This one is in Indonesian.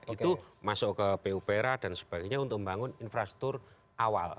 itu masuk ke pupera dan sebagainya untuk membangun infrastruktur awal